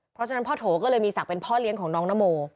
เพราะฉะนั้นพ่อโถก็เลยมีศักดิ์เป็นพ่อเลี้ยงของน้องนโม